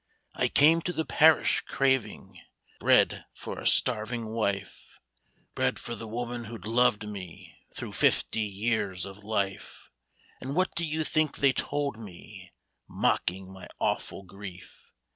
I came to the parish, craving Bread for a starving wife, Bread for the woman who 'd loved me Through fifty years of life ; 12 THE DAG ONE T BALLADS. And what do you think they told me, Mocking my awful grief?